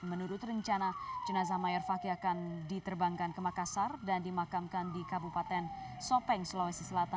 menurut rencana jenazah mayor fakih akan diterbangkan ke makassar dan dimakamkan di kabupaten sopeng sulawesi selatan